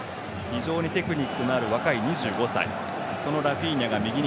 非常にテクニックのある若い２５歳。